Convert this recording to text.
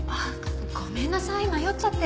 ごめんなさい迷っちゃって。